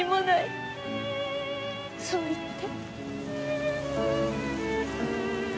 そう言って。